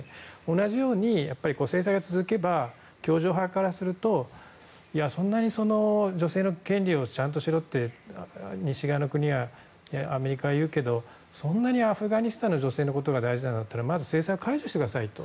同じように制裁が続けば教条派からするとそんなに女性の権利をちゃんとしろって西側の国やアメリカは言うけれどもそんなにアフガニスタンの女性のことが大事なんだったらまず制裁を解除してくださいと。